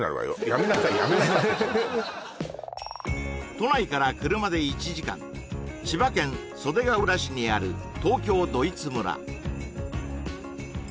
ホントに都内から車で１時間千葉県袖ケ浦市にある東京ドイツ村